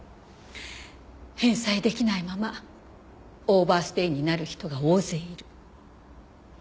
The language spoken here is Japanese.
返済出来ないままオーバーステイになる人が大勢いる。